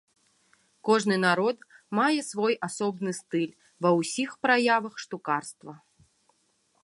Кожны народ мае свой асобны стыль ва ўсіх праявах штукарства.